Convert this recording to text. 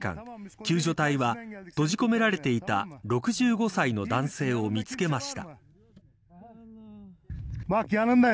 救助隊は閉じ込められていた６５歳の男性を見つけました。